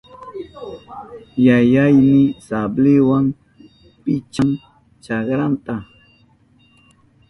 Yayayni sabliwa pichan chakranta.